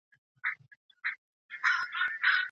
دوی خپله نجلۍ د دښمنۍ په بدل کې ورکړه.